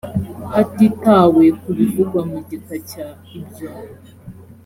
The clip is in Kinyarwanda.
hatitawe ku bivugwa mu gika cya ibyo